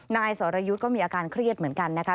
นายสรยุทธ์ก็มีอาการเครียดเหมือนกันนะคะ